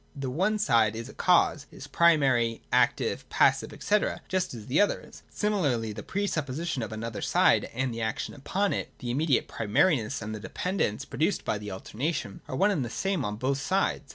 The one side is a cause, is primary, active, passive, &c., just as the other is. Similarly the pre supposition of another side and the action upon it, the immediate primariness and the dependence produced by the alter nation, are one and the same on both sides.